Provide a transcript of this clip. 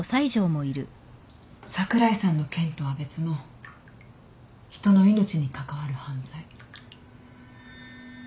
櫻井さんの件とは別の人の命に関わる犯罪。